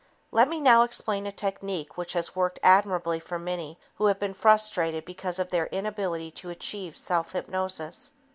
Let me now explain a technique which has worked admirably for many who have been frustrated because of their inability to achieve self hypnosis.